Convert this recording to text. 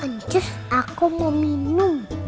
ancus aku mau minum